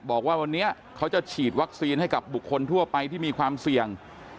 บอกว่าวันนี้เขาจะฉีดวัคซีนให้กับบุคคลทั่วไปที่มีความเสี่ยง